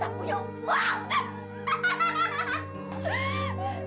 karena kita punya uang